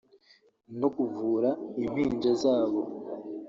no kuvura impinja zabo